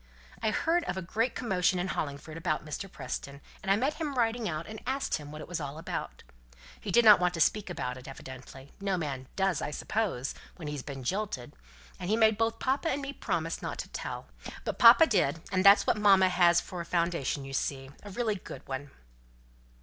I heard of a great commotion in Hollingford about Mr. Preston; and I met him riding out, and asked him what it was all about; he didn't want to speak about it, evidently. No man does, I suppose, when he's been jilted; and he made both papa and me promise not to tell; but papa did and that's what mamma has for a foundation; you see, a really good one."